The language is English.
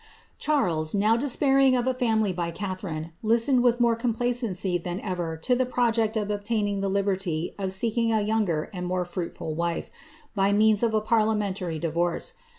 281 Charles, now despairing of a femilj by Catharine, listened with more complacency than ever to the project of obtaining the liberty of seeking a younger and more fruitful wife, by means of a parliamentary divorce.